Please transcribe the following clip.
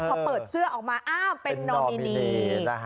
พอเปิดเสื้อออกมาอ้าวเป็นนอมินี